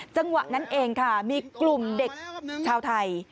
จังหวะนั้นเองค่ะมีกลุ่มเด็กชาวไทย